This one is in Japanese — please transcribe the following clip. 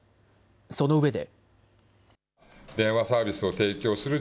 そのうえで。